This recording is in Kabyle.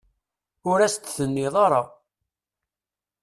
Ur as-t-tenniḍ ara.